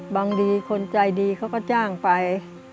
บางทีคนใจดีเขาก็จ้างไป